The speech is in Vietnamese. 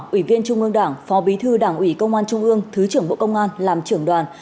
ủy viên trung ương đảng phó bí thư đảng ủy công an trung ương thứ trưởng bộ công an làm trưởng đoàn